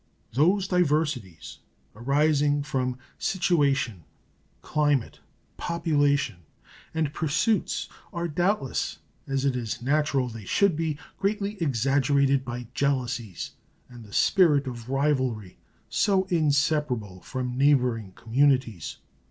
Those diversities arising from situation, climate, population, and pursuits are doubtless, as it is natural they should be, greatly exaggerated by jealousies and that spirit of rivalry so inseparable from neighboring communities.